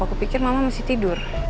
aku pikir mama mesti tidur